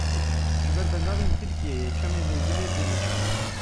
Ji ber bendavên Tirkiyeyê Çemê Hêzilê dimiçiqe.